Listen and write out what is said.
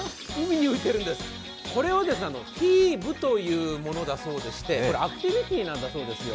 これはＦＩＢというものだそうでして、アクティビティなんだそうですよ。